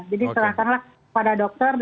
jadi percayakanlah kepada dokter